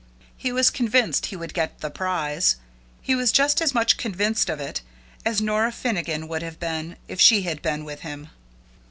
He was convinced he would get the prize. He was just as much convinced of it as Nora Finnegan would have been if she had been with him.